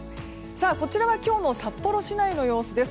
こちらは今日の札幌市内の様子です。